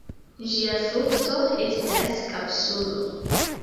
Ĝia frukto estas kapsulo.